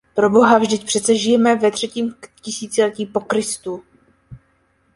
Proboha, vždyť přece žijeme ve třetím tisíciletí po Kristu!